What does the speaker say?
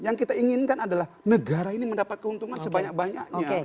yang kita inginkan adalah negara ini mendapat keuntungan sebanyak banyaknya